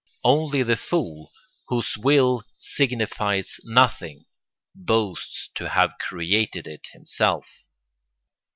Only the fool, whose will signifies nothing, boasts to have created it himself.